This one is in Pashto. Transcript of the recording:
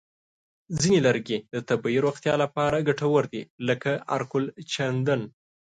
ځینې لرګي د طبیعي روغتیا لپاره ګټور دي، لکه عرقالچندڼ.